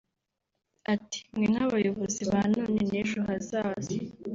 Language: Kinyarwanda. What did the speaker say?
Ati”Mwe nk’abayobozi ba none n’ejo hazaza